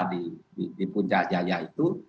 di punca jaya itu